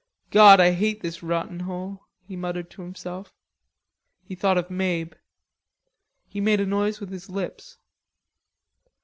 "God, I hate this rotten hole," he muttered to himself. He thought of Mabe. He made a noise with his lips.